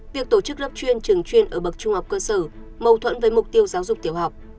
việc tổ chức lớp chuyên trường chuyên ở bậc trung học cơ sở mâu thuẫn với mục tiêu giáo dục tiểu học